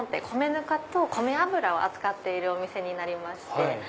米ぬかと米油を扱っているお店になりまして。